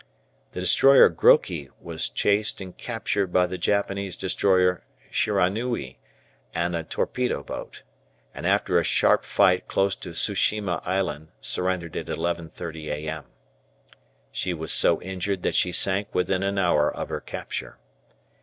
The destroyer "Groki" was chased and captured by the Japanese destroyer "Shiranui" and a torpedo boat, and after a sharp fight close to Tsu shima Island surrendered at 11.30 a.m. She was so injured that she sank within an hour of her capture.